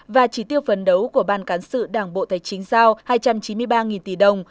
và chỉ tiêu phấn đấu của ban cán sự đảng bộ tài chính giao hai trăm chín mươi ba tỷ đồng